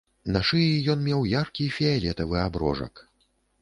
На шыі ён меў яркі фіялетавы аброжак.